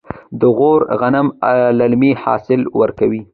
د غور غنم للمي حاصل ورکوي.